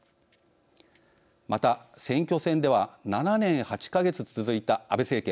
また選挙戦では７年８か月続いた安倍政権。